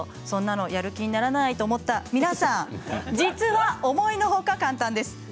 そんなのやる気にならないと思った皆さん実は思いのほか簡単です。